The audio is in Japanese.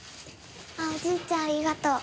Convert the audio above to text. おじいちゃんありがとう。